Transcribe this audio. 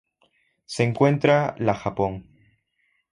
Se encuentra la Japón.